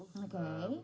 lima tahun yang lalu